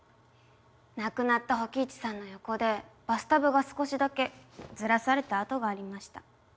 亡くなった火鬼壱さんの横でバスタブが少しだけずらされた跡がありました。